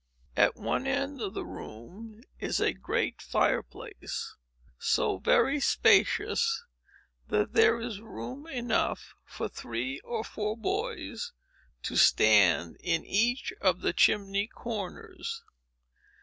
At one end of the room is a great fire place, so very spacious, that there is room enough for three or four boys to stand in each of the chimney corners.